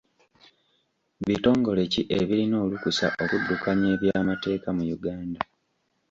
Bitongole ki ebirina olukusa okuddukanya eby'amateeka mu Uganda?